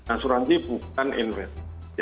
asuransi bukan investasi